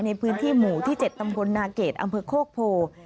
ในพื้นที่หมู่ที่๗ตำบลนาเกดอำเภอโคกโพ